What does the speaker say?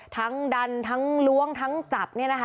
ทั้งดันทั้งล้วงทั้งจับ